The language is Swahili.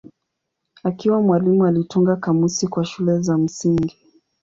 Akiwa mwalimu alitunga kamusi kwa shule za msingi.